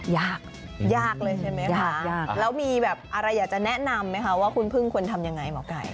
ยากยากเลยใช่ไหมคะยากแล้วมีแบบอะไรอยากจะแนะนำไหมคะว่าคุณพึ่งควรทำยังไงหมอไก่